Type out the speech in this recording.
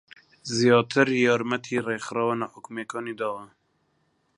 زیاتر یارمەتی ڕێکخراوە ناحوکمییەکانی داوە